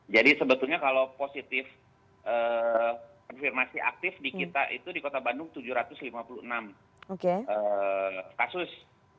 jadi sebetulnya kalau positif konfirmasi aktif di kita itu di kota bandung tujuh ratus lima puluh enam kasus